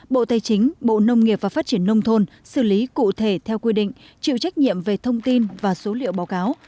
bộ tây chính bộ nông nghiệp và phát triển nông thôn xử lý cụ thể theo quy định chịu trách nhiệm về thông tin và số liệu báo cáo